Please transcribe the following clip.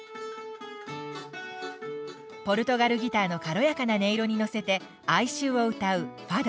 ポルトガルギターの軽やかな音色にのせて哀愁を歌う「ファド」。